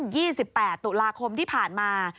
เกิดขึ้น๒๘ตุลาคมที่ผ่านมา